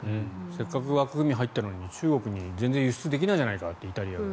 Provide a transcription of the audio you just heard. せっかく枠組みに入ったのに中国に全然輸出できないじゃないかというイタリアは。